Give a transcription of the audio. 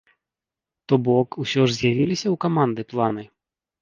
То бок, усё ж з'явіліся ў каманды планы?